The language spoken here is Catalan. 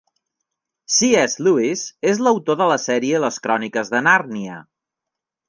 C.S. Lewis és l'autor de la sèrie Les cròniques de Nàrnia.